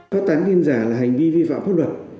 phát tán tin giả là hành vi vi phạm pháp luật